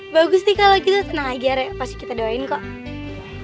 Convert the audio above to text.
bagus nih kalo gitu tenang aja re pasti kita doain kok